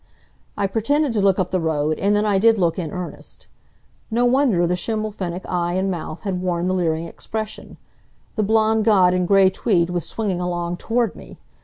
I pretended to look up the road, and then I did look in earnest. No wonder the Schimmelpfennig eye and mouth had worn the leering expression. The blond god in gray tweed was swinging along toward me!